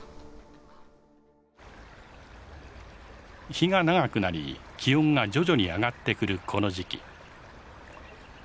日が長くなり気温が徐々に上がってくるこの時期。